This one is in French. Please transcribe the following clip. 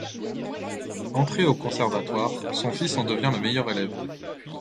Entré au conservatoire, son fils en devient le meilleur élève.